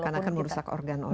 karena akan merusak organ organ